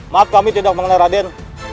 maaf kami tidak mengenai raden